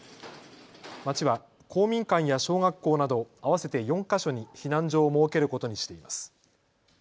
町は公民館や小学校など合わせて４か所に避難所を設けることにしています。